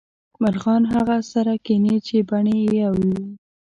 مرغان هغه سره کینې چې بڼې یو وې